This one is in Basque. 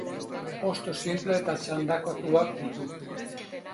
Hosto sinple eta txandakatuak ditu.